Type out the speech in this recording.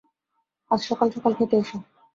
আজ সকাল সকাল খেতে এসো।